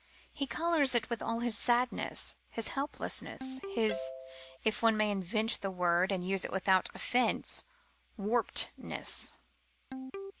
He colours it with all his sadness, his helplessness, his (if one may invent the word and use it without offence) warpedness.